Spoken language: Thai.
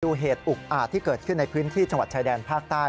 เหตุอุกอาจที่เกิดขึ้นในพื้นที่จังหวัดชายแดนภาคใต้